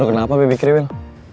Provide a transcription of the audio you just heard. lo kenapa bebek kiri wim